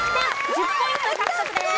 １０ポイント獲得です。